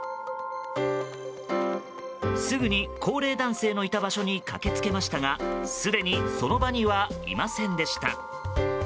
すぐに高齢男性のいた場所に駆け付けましたがすでにその場にはいませんでした。